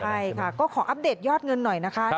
ใช่ค่ะก็ขออัปเดตยอดเงินหน่อยนะคะ